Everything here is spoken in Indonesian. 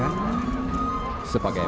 karena tempat kami